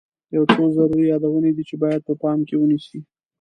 یو څو ضروري یادونې دي چې باید په پام کې ونیسئ.